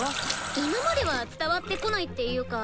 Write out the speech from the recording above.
今までは伝わってこないっていうか。